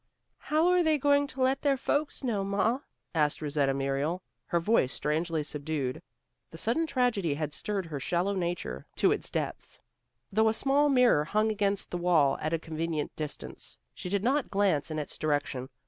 "How are they going to let their folks know, ma?" asked Rosetta Muriel, her voice strangely subdued. The sudden tragedy had stirred her shallow nature to its depths. Though a small mirror hung against the wall at a convenient distance, she did not glance in its direction.